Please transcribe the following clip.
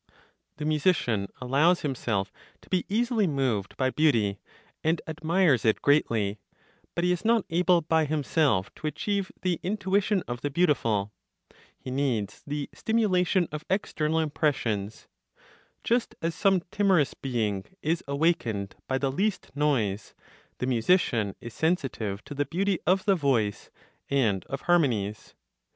The musician allows himself to be easily moved by beauty, and admires it greatly; but he is not able by himself to achieve the intuition of the beautiful. He needs the stimulation of external impressions. Just as some timorous being is awakened by the least noise, the musician is sensitive to the beauty of the voice and of harmonies.